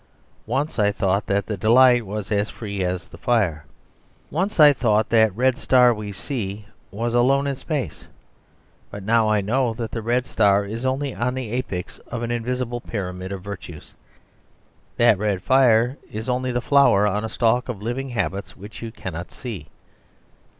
Once I thought that the delight was as free as the fire. Once I thought that red star we see was alone in space. But now I know that the red star is only on the apex of an invisible pyramid of virtues. That red fire is only the flower on a stalk of living habits, which you cannot see.